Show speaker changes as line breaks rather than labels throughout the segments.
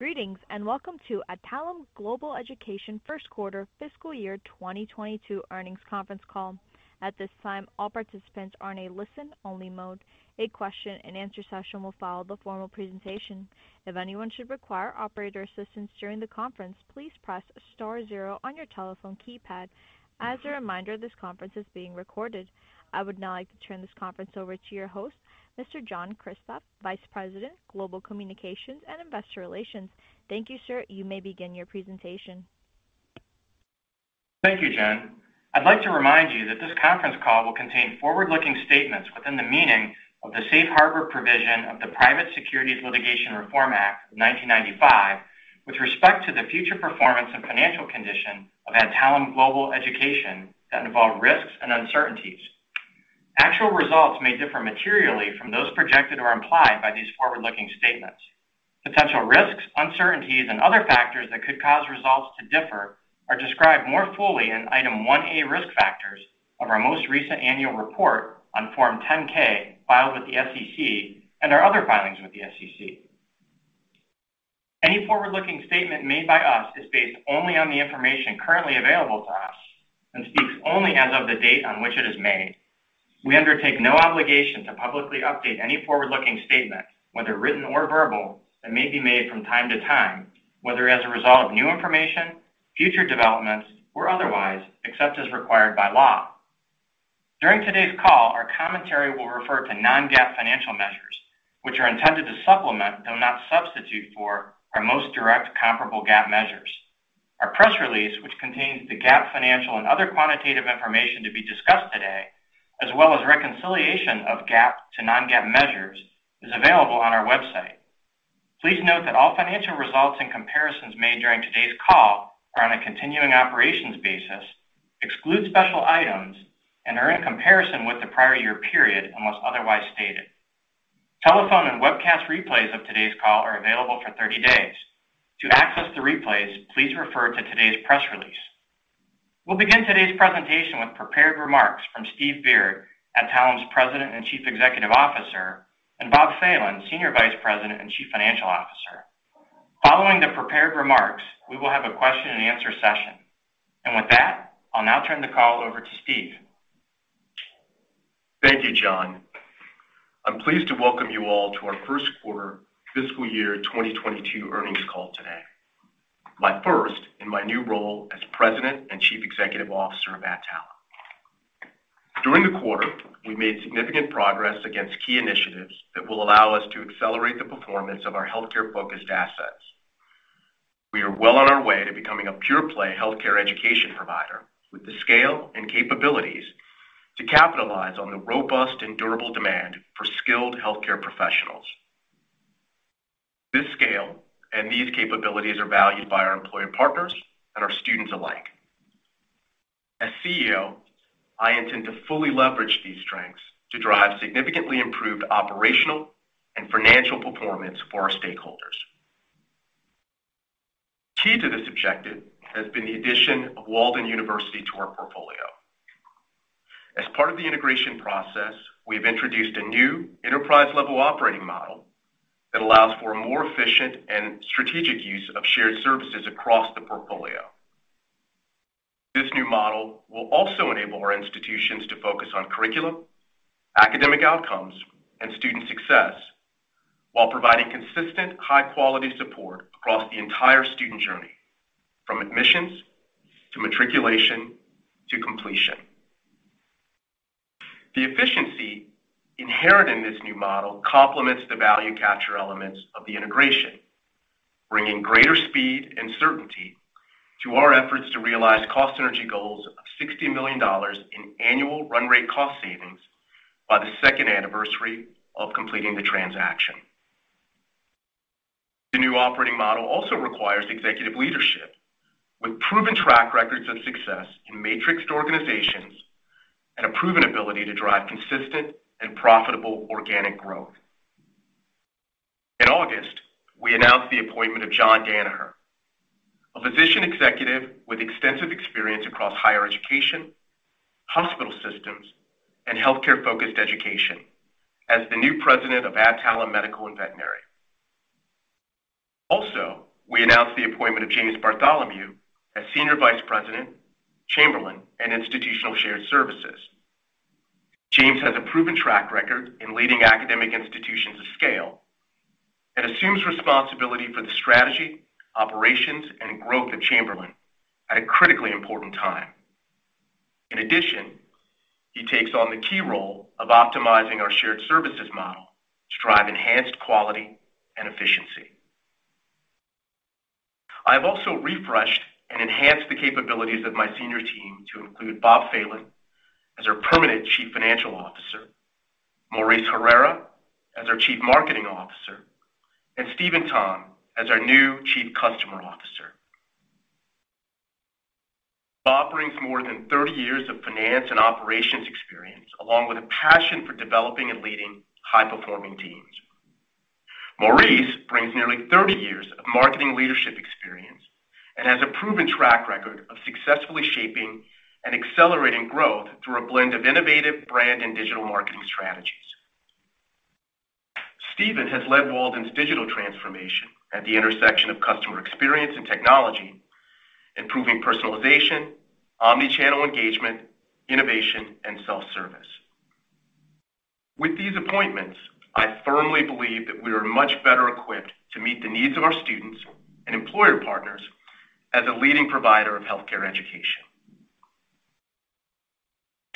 Greetings, and Welcome to Adtalem Global Education first quarter fiscal year 2022 earnings conference call. At this time, all participants are in a listen-only mode. A question-and-answer session will follow the formal presentation. If anyone should require operator assistance during the conference, please press star zero on your telephone keypad. As a reminder, this conference is being recorded. I would now like to turn this conference over to your host, Mr. John Kristoff, Vice President, Global Communications and Investor Relations. Thank you, sir. You may begin your presentation.
Thank you, Jen. I'd like to remind you that this conference call will contain forward-looking statements within the meaning of the Safe Harbor provision of the Private Securities Litigation Reform Act of 1995 with respect to the future performance and financial condition of Adtalem Global Education that involve risks and uncertainties. Actual results may differ materially from those projected or implied by these forward-looking statements. Potential risks, uncertainties, and other factors that could cause results to differ are described more fully in Item 1A, Risk Factors, of our most recent annual report on Form 10-K filed with the SEC and our other filings with the SEC. Any forward-looking statement made by us is based only on the information currently available to us and speaks only as of the date on which it is made. We undertake no obligation to publicly update any forward-looking statement, whether written or verbal, that may be made from time to time, whether as a result of new information, future developments, or otherwise, except as required by law. During today's call, our commentary will refer to non-GAAP financial measures, which are intended to supplement, though not substitute for, our most direct comparable GAAP measures. Our press release, which contains the GAAP financial and other quantitative information to be discussed today, as well as reconciliation of GAAP to non-GAAP measures, is available on our website. Please note that all financial results and comparisons made during today's call are on a continuing operations basis, exclude special items, and are in comparison with the prior year period, unless otherwise stated. Telephone and webcast replays of today's call are available for thirty days. To access the replays, please refer to today's press release. We'll begin today's presentation with prepared remarks from Steve Beard, Adtalem's President and Chief Executive Officer, and Bob Phelan, Senior Vice President and Chief Financial Officer. Following the prepared remarks, we will have a question-and-answer session. With that, I'll now turn the call over to Steve.
Thank you, John. I'm pleased to welcome you all to our first quarter fiscal year 2022 earnings call today, my first in my new role as President and Chief Executive Officer of Adtalem. During the quarter, we made significant progress against key initiatives that will allow us to accelerate the performance of our healthcare-focused assets. We are well on our way to becoming a pure play healthcare education provider with the scale and capabilities to capitalize on the robust and durable demand for skilled healthcare professionals. This scale and these capabilities are valued by our employee partners and our students alike. As CEO, I intend to fully leverage these strengths to drive significantly improved operational and financial performance for our stakeholders. Key to this objective has been the addition of Walden University to our portfolio. As part of the integration process, we've introduced a new enterprise-level operating model that allows for a more efficient and strategic use of shared services across the portfolio. This new model will also enable our institutions to focus on curriculum, academic outcomes, and student success while providing consistent high-quality support across the entire student journey from admissions to matriculation to completion. The efficiency inherent in this new model complements the value capture elements of the integration, bringing greater speed and certainty to our efforts to realize cost synergy goals of $60 million in annual run rate cost savings by the second anniversary of completing the transaction. The new operating model also requires executive leadership with proven track records of success in matrixed organizations and a proven ability to drive consistent and profitable organic growth. In August, we announced the appointment of John Danaher, a physician executive with extensive experience across higher education, hospital systems, and healthcare-focused education as the new president of Adtalem Medical and Veterinary. We announced the appointment of James Bartholomew as Senior Vice President, Chamberlain and Institutional Shared Services. James has a proven track record in leading academic institutions of scale and assumes responsibility for the strategy, operations, and growth of Chamberlain at a critically important time. In addition, he takes on the key role of optimizing our shared services model to drive enhanced quality and efficiency. I have refreshed and enhanced the capabilities of my senior team to include Bob Phelan as our permanent Chief Financial Officer, Maurice Herrera as our Chief Marketing Officer, and Steven Tom as our new Chief Customer Officer. Bob brings more than 30 years of finance and operations experience, along with a passion for developing and leading high-performing teams. Maurice brings nearly 30 years of marketing leadership experience and has a proven track record of successfully shaping and accelerating growth through a blend of innovative brand and digital marketing strategies. Steven has led Walden's digital transformation at the intersection of customer experience and technology, improving personalization, omni-channel engagement, innovation, and self-service. With these appointments, I firmly believe that we are much better equipped to meet the needs of our students and employer partners as a leading provider of healthcare education.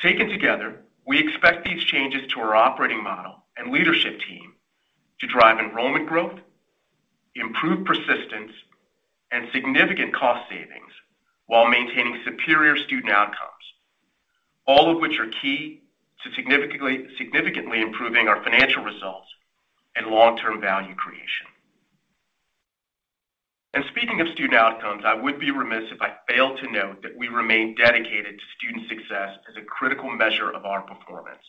Taken together, we expect these changes to our operating model and leadership team to drive enrollment growth, improve persistence, and significant cost savings while maintaining superior student outcomes. All of which are key to significantly improving our financial results and long-term value creation. Speaking of student outcomes, I would be remiss if I failed to note that we remain dedicated to student success as a critical measure of our performance.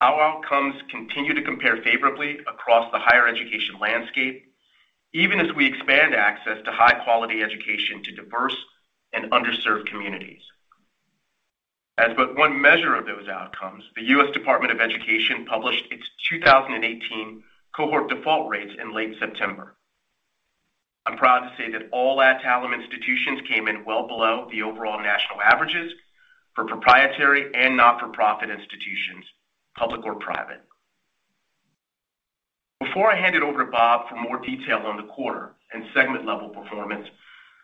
Our outcomes continue to compare favorably across the higher education landscape, even as we expand access to high-quality education to diverse and underserved communities. As but one measure of those outcomes, the U.S. Department of Education published its 2018 cohort default rates in late September. I'm proud to say that all Adtalem institutions came in well below the overall national averages for proprietary and not-for-profit institutions, public or private. Before I hand it over to Bob for more detail on the quarter and segment level performance,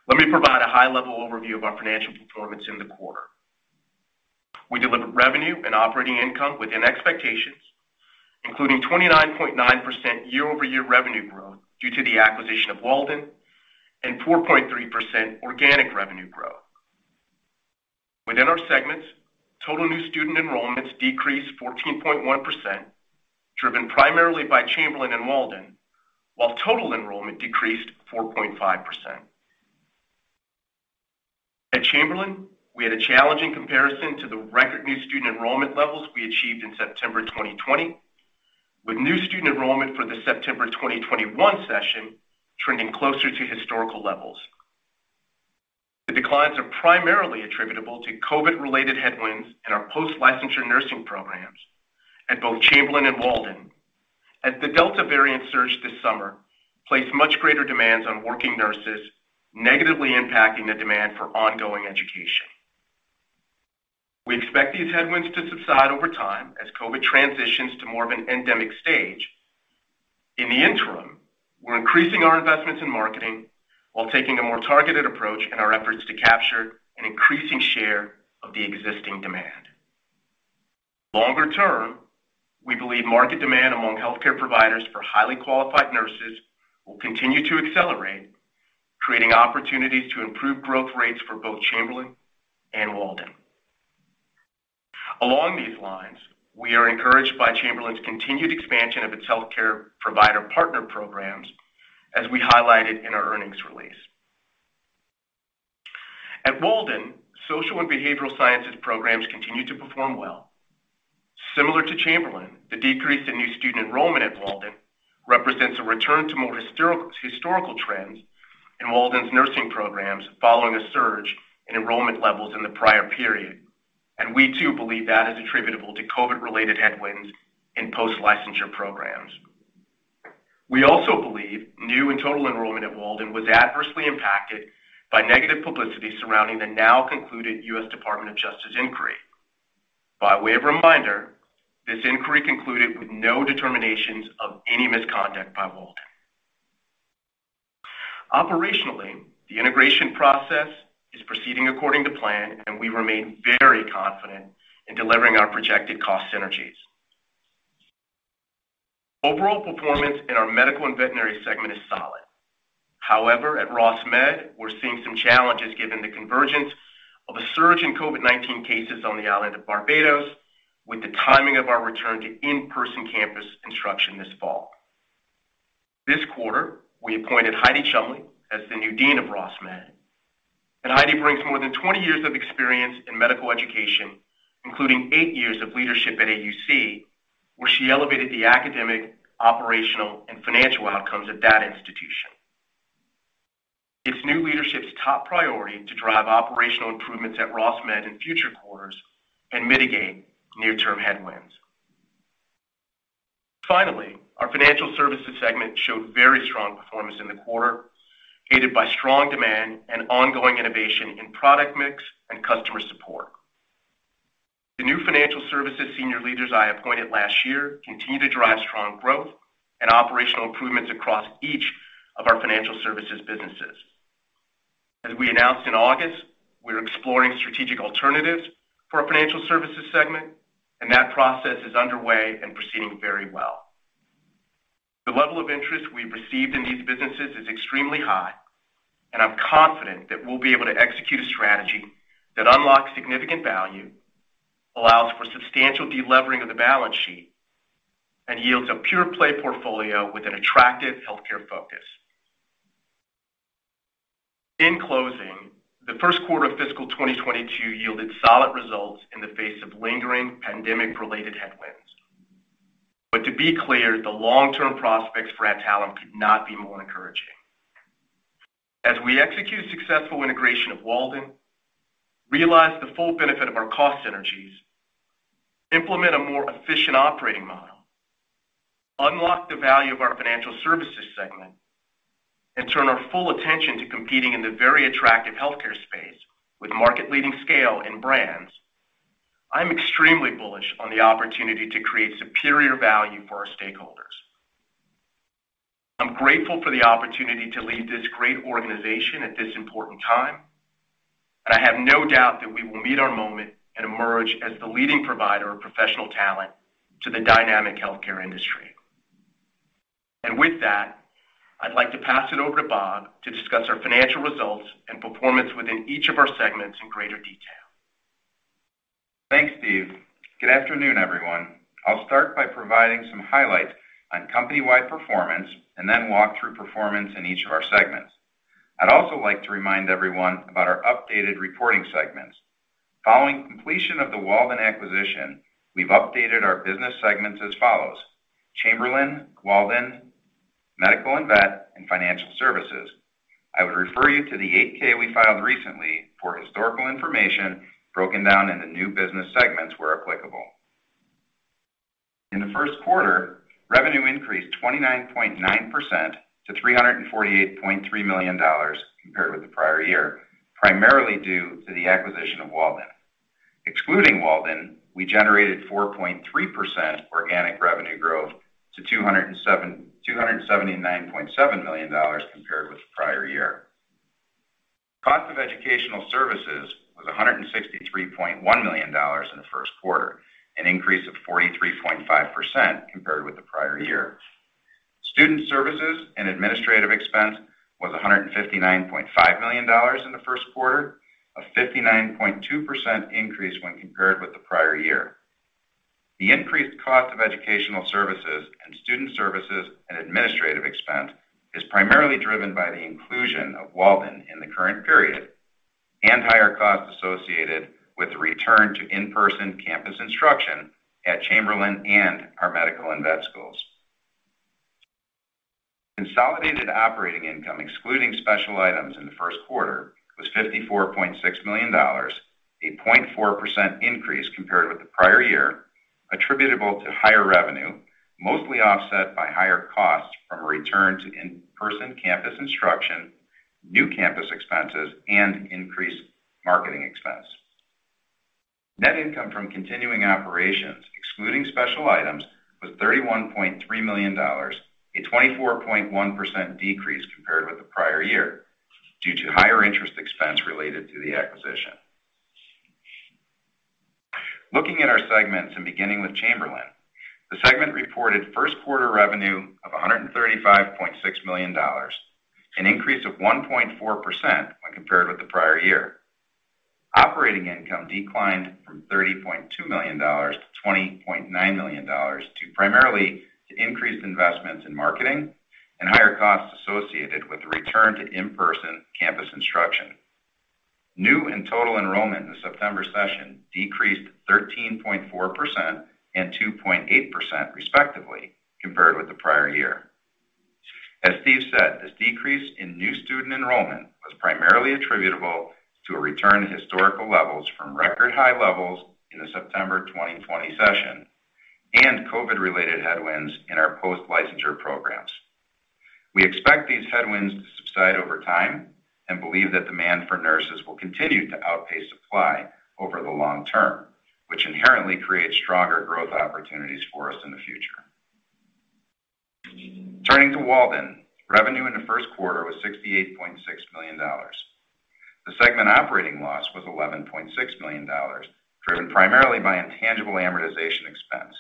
let me provide a high-level overview of our financial performance in the quarter. We delivered revenue and operating income within expectations, including 29.9% year-over-year revenue growth due to the acquisition of Walden and 4.3% organic revenue growth. Within our segments, total new student enrollments decreased 14.1%, driven primarily by Chamberlain and Walden, while total enrollment decreased 4.5%. At Chamberlain, we had a challenging comparison to the record new student enrollment levels we achieved in September 2020, with new student enrollment for the September 2021 session trending closer to historical levels. The declines are primarily attributable to COVID-related headwinds in our post-licensure nursing programs at both Chamberlain and Walden. As the Delta variant surge this summer placed much greater demands on working nurses, negatively impacting the demand for ongoing education. We expect these headwinds to subside over time as COVID transitions to more of an endemic stage. In the interim, we're increasing our investments in marketing while taking a more targeted approach in our efforts to capture an increasing share of the existing demand. Longer term, we believe market demand among healthcare providers for highly qualified nurses will continue to accelerate, creating opportunities to improve growth rates for both Chamberlain and Walden. Along these lines, we are encouraged by Chamberlain's continued expansion of its healthcare provider partner programs, as we highlighted in our earnings release. At Walden, social and behavioral sciences programs continue to perform well. Similar to Chamberlain, the decrease in new student enrollment at Walden represents a return to more historical trends in Walden's nursing programs following a surge in enrollment levels in the prior period. We too believe that is attributable to COVID-related headwinds in post-licensure programs. We also believe new and total enrollment at Walden was adversely impacted by negative publicity surrounding the now concluded U.S. Department of Justice inquiry. By way of reminder, this inquiry concluded with no determinations of any misconduct by Walden. Operationally, the integration process is proceeding according to plan, and we remain very confident in delivering our projected cost synergies. Overall performance in our medical and veterinary segment is solid. However, at Ross Med, we're seeing some challenges given the convergence of a surge in COVID-19 cases on the island of Barbados with the timing of our return to in-person campus instruction this fall. This quarter, we appointed Heidi Chumley as the new dean of Ross Med. Heidi brings more than 20 years of experience in medical education, including eight years of leadership at AUC, where she elevated the academic, operational, and financial outcomes at that institution. It's new leadership's top priority to drive operational improvements at Ross Med in future quarters and mitigate near-term headwinds. Finally, our financial services segment showed very strong performance in the quarter, aided by strong demand and ongoing innovation in product mix and customer support. The new financial services senior leaders I appointed last year continue to drive strong growth and operational improvements across each of our financial services businesses. As we announced in August, we're exploring strategic alternatives for our financial services segment, and that process is underway and proceeding very well. The level of interest we've received in these businesses is extremely high, and I'm confident that we'll be able to execute a strategy that unlocks significant value, allows for substantial delevering of the balance sheet, and yields a pure-play portfolio with an attractive healthcare focus. In closing, the first quarter of fiscal 2022 yielded solid results in the face of lingering pandemic-related headwinds. To be clear, the long-term prospects for Adtalem could not be more encouraging. As we execute successful integration of Walden, realize the full benefit of our cost synergies, implement a more efficient operating model, unlock the value of our financial services segment, and turn our full attention to competing in the very attractive healthcare space with market-leading scale and brands. I'm extremely bullish on the opportunity to create superior value for our stakeholders. I'm grateful for the opportunity to lead this great organization at this important time, and I have no doubt that we will meet our moment and emerge as the leading provider of professional talent to the dynamic healthcare industry. With that, I'd like to pass it over to Bob Phelan to discuss our financial results and performance within each of our segments in greater detail.
Thanks, Steve. Good afternoon, everyone. I'll start by providing some highlights on company-wide performance and then walk through performance in each of our segments. I'd also like to remind everyone about our updated reporting segments. Following completion of the Walden acquisition, we've updated our business segments as follows: Chamberlain, Walden, Medical and Vet, and Financial Services. I would refer you to the 8-K we filed recently for historical information broken down into new business segments where applicable. In the first quarter, revenue increased 29.9% to $348.3 million compared with the prior year, primarily due to the acquisition of Walden. Excluding Walden, we generated 4.3% organic revenue growth to $279.7 million compared with the prior year. Cost of educational services was $163.1 million in the first quarter, an increase of 43.5% compared with the prior year. Student services and administrative expense was $159.5 million in the first quarter, a 59.2% increase when compared with the prior year. The increased cost of educational services and student services and administrative expense is primarily driven by the inclusion of Walden in the current period and higher costs associated with the return to in-person campus instruction at Chamberlain and our medical and vet schools. Consolidated operating income, excluding special items in the first quarter, was $54.6 million, a 0.4% increase compared with the prior year, attributable to higher revenue, mostly offset by higher costs from a return to in-person campus instruction, new campus expenses, and increased marketing expense. Net income from continuing operations, excluding special items, was $31.3 million, a 24.1% decrease compared with the prior year due to higher interest expense related to the acquisition. Looking at our segments, and beginning with Chamberlain, the segment reported first quarter revenue of $135.6 million, an increase of 1.4% when compared with the prior year. Operating income declined from $30.2 million-$20.9 million due primarily to increased investments in marketing and higher costs associated with the return to in-person campus instruction. New and total enrollment in the September session decreased 13.4% and 2.8%, respectively, compared with the prior year. As Steve said, this decrease in new student enrollment was primarily attributable to a return to historical levels from record high levels in the September 2020 session and COVID-related headwinds in our post-licensure programs. We expect these headwinds to subside over time and believe that demand for nurses will continue to outpace supply over the long term, which inherently creates stronger growth opportunities for us in the future. Turning to Walden, revenue in the first quarter was $68.6 million. The segment operating loss was $11.6 million, driven primarily by intangible amortization expense.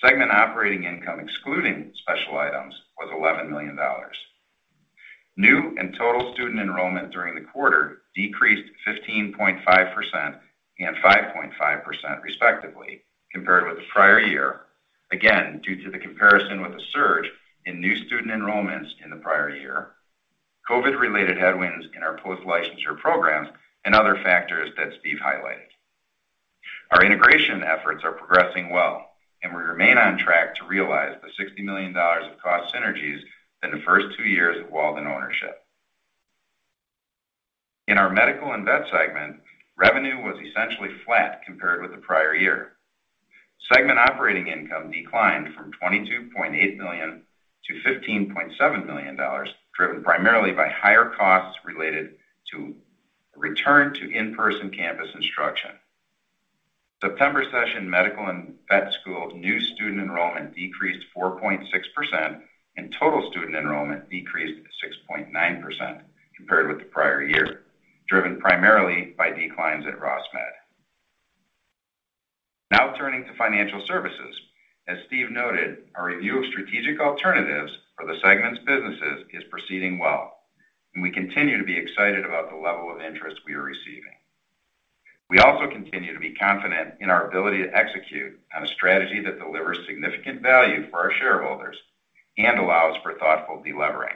Segment operating income excluding special items was $11 million. New and total student enrollment during the quarter decreased 15.5% and 5.5%, respectively, compared with the prior year. Again, due to the comparison with a surge in new student enrollments in the prior year, COVID-related headwinds in our post-licensure programs and other factors that Steve highlighted. Our integration efforts are progressing well, and we remain on track to realize the $60 million of cost synergies in the first two years of Walden ownership. In our medical and vet segment, revenue was essentially flat compared with the prior year. Segment operating income declined from $22.8 million-$15.7 million, driven primarily by higher costs related to a return to in-person campus instruction. September session medical and vet school new student enrollment decreased 4.6%, and total student enrollment decreased 6.9% compared with the prior year, driven primarily by declines at Ross Med. Now turning to financial services. As Steve noted, our review of strategic alternatives for the segment's businesses is proceeding well, and we continue to be excited about the level of interest we are receiving. We also continue to be confident in our ability to execute on a strategy that delivers significant value for our shareholders and allows for thoughtful delevering.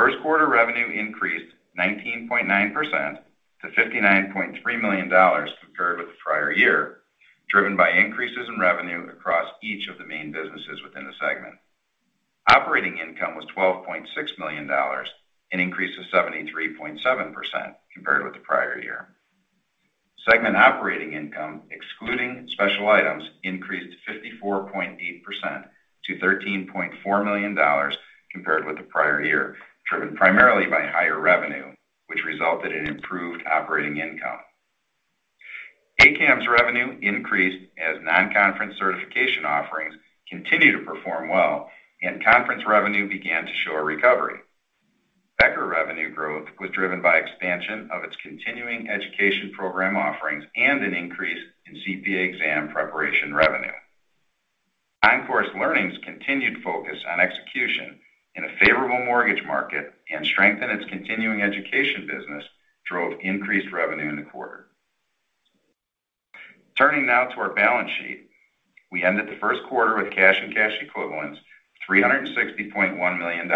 First quarter revenue increased 19.9% to $59.3 million compared with the prior year, driven by increases in revenue across each of the main businesses within the segment. Operating income was $12.6 million, an increase of 73.7% compared with the prior year. Segment operating income, excluding special items, increased 54.8% to $13.4 million compared with the prior year, driven primarily by higher revenue, which resulted in improved operating income. ACAMS revenue increased as non-conference certification offerings continued to perform well and conference revenue began to show a recovery. Becker revenue growth was driven by expansion of its continuing education program offerings and an increase in CPA exam preparation revenue. OnCourse Learning's continued focus on execution in a favorable mortgage market and strength in its continuing education business drove increased revenue in the quarter. Turning now to our balance sheet. We ended the first quarter with cash and cash equivalents of $360.1 million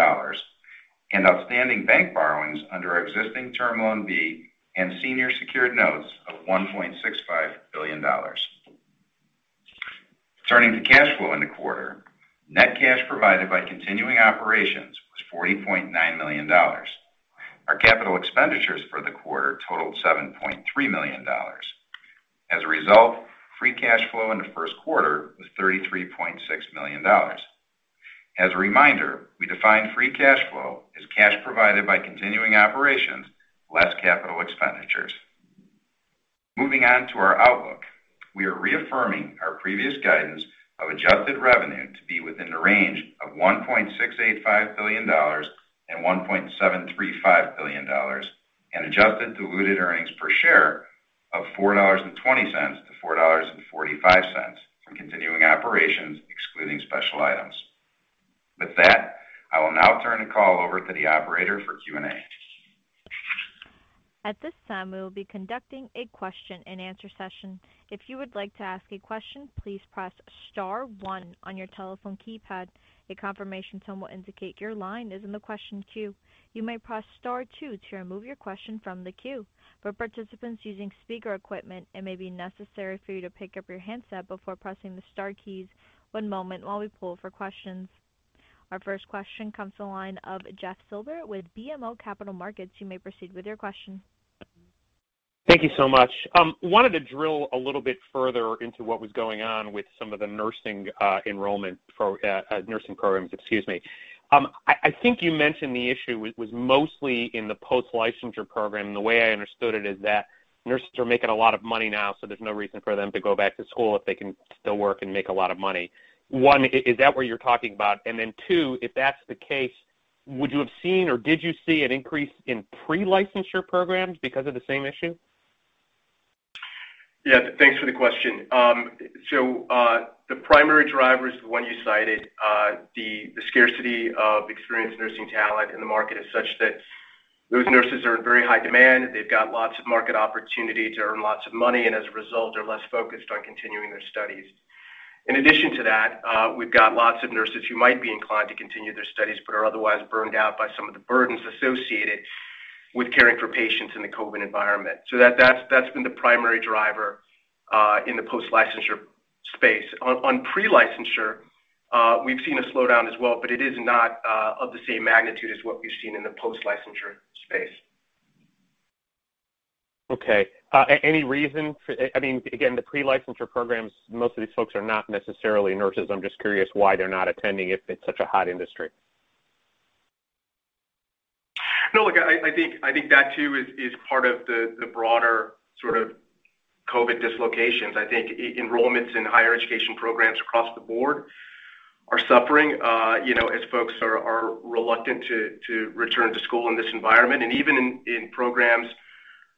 and outstanding bank borrowings under our existing Term Loan B and senior secured notes of $1.65 billion. Turning to cash flow in the quarter, net cash provided by continuing operations was $40.9 million. Our capital expenditures for the quarter totaled $7.3 million. As a result, free cash flow in the first quarter was $33.6 million. As a reminder, we define free cash flow as cash provided by continuing operations less capital expenditures. Moving on to our outlook. We are reaffirming our previous guidance of adjusted revenue to be within the range of $1.685 billion-$1.735 billion, and adjusted diluted earnings per share of $4.20-$4.45 from continuing operations excluding special items. With that, I will now turn the call over to the operator for Q&A.
At this time, we will be conducting a question-and-answer session. If you would like to ask a question, please press star one on your telephone keypad. A confirmation tone will indicate your line is in the question queue. You may press star two to remove your question from the queue. For participants using speaker equipment, it may be necessary for you to pick up your handset before pressing the star keys. One moment while we pull for questions. Our first question comes to the line of Jeff Silber with BMO Capital Markets. You may proceed with your question.
Thank you so much. I wanted to drill a little bit further into what was going on with some of the nursing programs, excuse me. I think you mentioned the issue was mostly in the post-licensure program. The way I understood it is that nurses are making a lot of money now, so there's no reason for them to go back to school if they can still work and make a lot of money. One, is that what you're talking about? Two, if that's the case, would you have seen or did you see an increase in pre-licensure programs because of the same issue?
Yeah. Thanks for the question. The primary driver is the one you cited, the scarcity of experienced nursing talent in the market is such that those nurses are in very high demand. They've got lots of market opportunity to earn lots of money, and as a result, they're less focused on continuing their studies. In addition to that, we've got lots of nurses who might be inclined to continue their studies but are otherwise burned out by some of the burdens associated with caring for patients in the COVID environment. That's been the primary driver in the post-licensure space. On pre-licensure, we've seen a slowdown as well, but it is not of the same magnitude as what we've seen in the post-licensure space.
Okay. I mean, again, the pre-licensure programs, most of these folks are not necessarily nurses. I'm just curious why they're not attending if it's such a hot industry?
No, look, I think that too is part of the broader sort of COVID dislocations. I think enrollments in higher education programs across the board are suffering, as folks are reluctant to return to school in this environment. Even in programs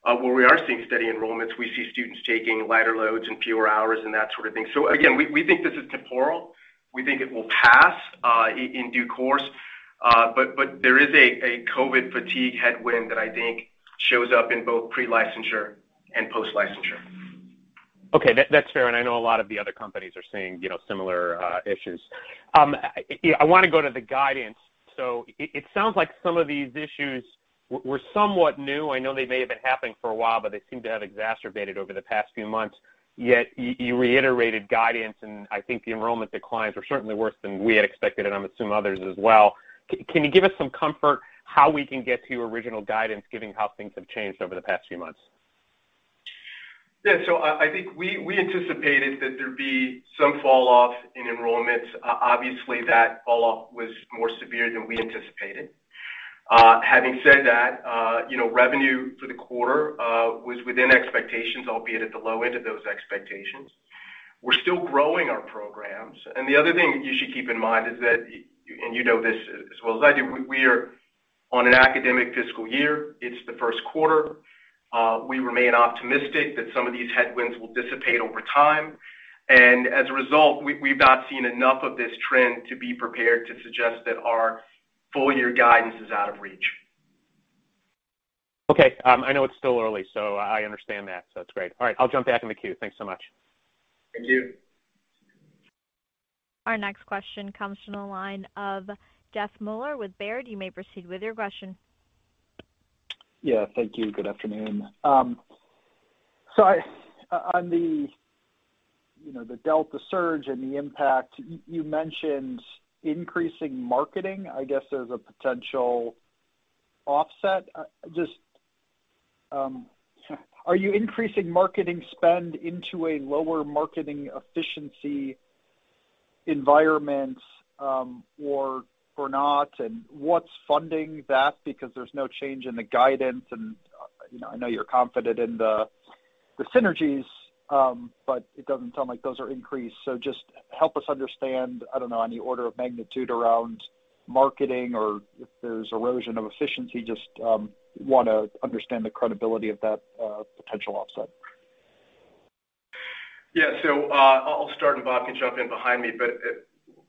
where we are seeing steady enrollments, we see students taking lighter loads and fewer hours and that sort of thing. Again, we think this is temporal. We think it will pass in due course. But there is a COVID fatigue headwind that I think shows up in both pre-licensure and post-licensure.
Okay. That's fair, and I know a lot of the other companies are seeing, you know, similar issues. Yeah, I wanna go to the guidance. It sounds like some of these issues were somewhat new. I know they may have been happening for a while, but they seem to have exacerbated over the past few months. Yet you reiterated guidance, and I think the enrollment declines were certainly worse than we had expected, and I'm assuming others as well. Can you give us some comfort how we can get to original guidance given how things have changed over the past few months?
I think we anticipated that there'd be some fall off in enrollments. Obviously, that fall off was more severe than we anticipated. Having said that, you know, revenue for the quarter was within expectations, albeit at the low end of those expectations. We're still growing our programs. The other thing you should keep in mind is that, and you know this as well as I do, we are on an academic fiscal year. It's the first quarter. We remain optimistic that some of these headwinds will dissipate over time. As a result, we've not seen enough of this trend to be prepared to suggest that our full year guidance is out of reach.
Okay. I know it's still early, so I understand that, so that's great. All right, I'll jump back in the queue. Thanks so much.
Thank you.
Our next question comes from the line of Jeff Meuler with Baird. You may proceed with your question.
Yeah. Thank you. Good afternoon. On the, you know, the Delta surge and the impact, you mentioned increasing marketing, I guess, as a potential offset. Just, are you increasing marketing spend into a lower marketing efficiency environment, or not? What's funding that? Because there's no change in the guidance and, you know, I know you're confident in the synergies, but it doesn't sound like those are increased. Just help us understand, I don't know, on the order of magnitude around marketing or if there's erosion of efficiency, just, wanna understand the credibility of that potential offset.
I'll start and Bob can jump in behind me.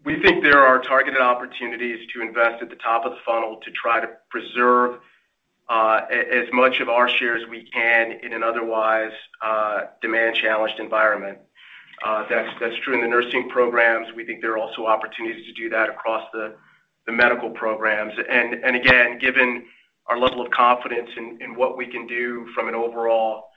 We think there are targeted opportunities to invest at the top of the funnel to try to preserve as much of our share as we can in an otherwise demand-challenged environment. That's true in the nursing programs. We think there are also opportunities to do that across the medical programs. Again, given our level of confidence in what we can do from an overall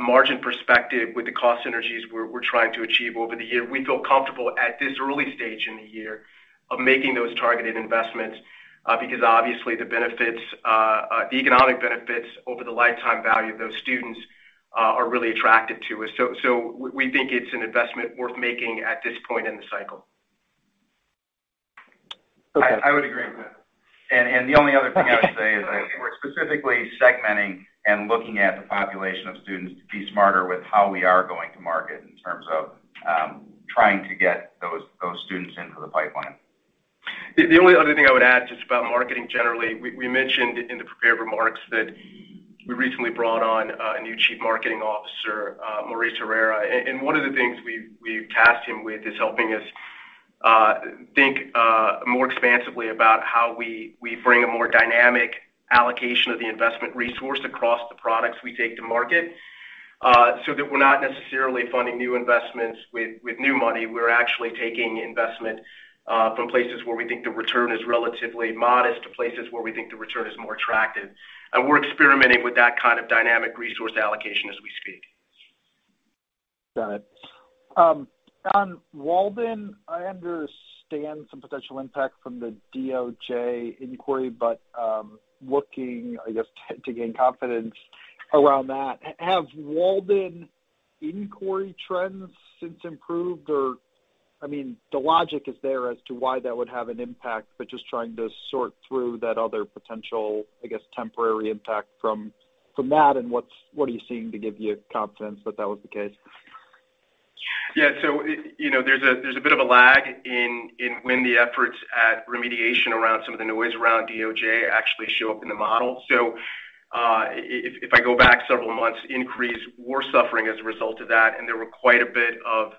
margin perspective with the cost synergies we're trying to achieve over the year, we feel comfortable at this early stage in the year of making those targeted investments because obviously the benefits, the economic benefits over the lifetime value of those students are really attractive to us. We think it's an investment worth making at this point in the cycle.
Okay.
I would agree with that. The only other thing I would say is that we're specifically segmenting and looking at the population of students to be smarter with how we are going to market in terms of trying to get those students into the pipeline.
The only other thing I would add just about marketing generally, we mentioned in the prepared remarks that we recently brought on a new Chief Marketing Officer, Maurice Herrera. One of the things we've tasked him with is helping us think more expansively about how we bring a more dynamic allocation of the investment resource across the products we take to market, so that we're not necessarily funding new investments with new money. We're actually taking investment from places where we think the return is relatively modest to places where we think the return is more attractive. We're experimenting with that kind of dynamic resource allocation as we speak.
Got it. On Walden, I understand some potential impact from the DOJ inquiry, but looking, I guess, to gain confidence around that, have Walden inquiry trends since improved or I mean, the logic is there as to why that would have an impact, but just trying to sort through that other potential, I guess, temporary impact from that and what are you seeing to give you confidence that that was the case?
Yeah. You know, there's a bit of a lag in when the efforts at remediation around some of the noise around DOJ actually show up in the model. If I go back several months, inquiries were suffering as a result of that, and there were quite a bit of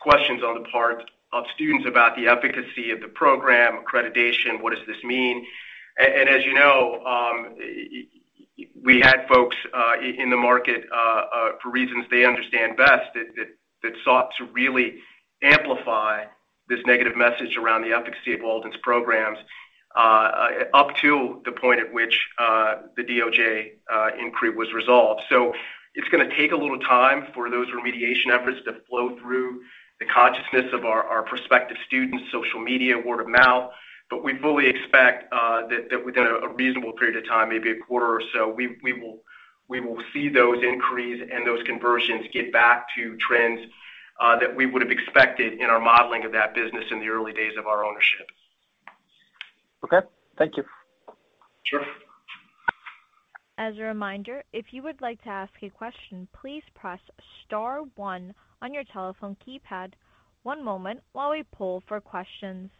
questions on the part of students about the efficacy of the program, accreditation, what does this mean? As you know, we had folks in the market for reasons they understand best that sought to really amplify this negative message around the efficacy of Walden's programs up to the point at which the DOJ inquiry was resolved. It's gonna take a little time for those remediation efforts to flow through the consciousness of our prospective students, social media, word of mouth. We fully expect that within a reasonable period of time, maybe a quarter or so, we will see those inquiries and those conversions get back to trends that we would have expected in our modeling of that business in the early days of our ownership.
Okay. Thank you.
Sure.
As a reminder, if you would like to ask a question, please press star one on your telephone keypad. One moment while we poll for questions.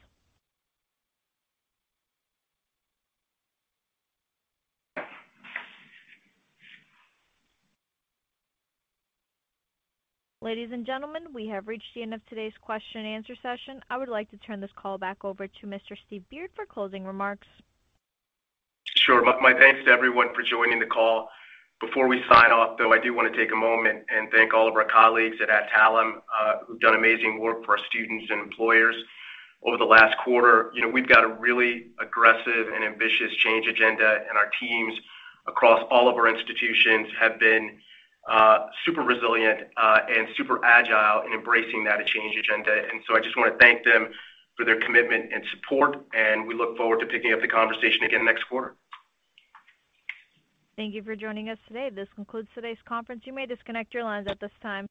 Ladies and gentlemen, we have reached the end of today's question and answer session. I would like to turn this call back over to Mr. Steve Beard for closing remarks.
Sure. My thanks to everyone for joining the call. Before we sign off, though, I do wanna take a moment and thank all of our colleagues at Adtalem who've done amazing work for our students and employers over the last quarter. You know, we've got a really aggressive and ambitious change agenda, and our teams across all of our institutions have been super resilient and super agile in embracing that change agenda. I just wanna thank them for their commitment and support, and we look forward to picking up the conversation again next quarter.
Thank you for joining us today. This concludes today's conference. You may disconnect your lines at this time.